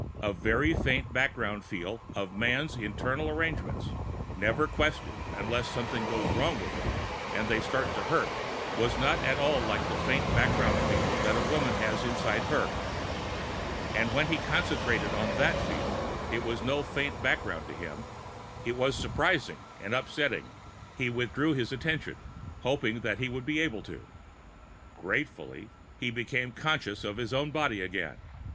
The very faint background feel of man's internal arrangements, never questioned unless something goes wrong with them and they start to hurt, was not at all like the faint background feel that a woman has inside her. And when he concentrated on that feel, it was no faint background to him. It was surprising and upsetting. He withdrew his attention hoping that he would be able to. Gratefully, he became conscious of his own body again.